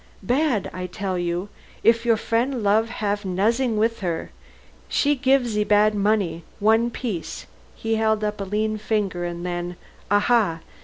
Bad, I tell you. If your frien' love, haf nozzin' wis her. She gif ze bad money, one piece " he held up a lean finger, and then, "Aha!